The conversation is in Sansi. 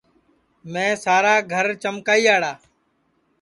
میں سارا گھرا چمکائیاڑا